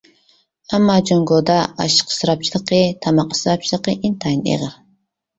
ئەمما جۇڭگودا ئاشلىق ئىسراپچىلىقى، تاماق ئىسراپچىلىقى ئىنتايىن ئېغىر.